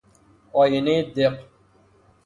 آینۀ دق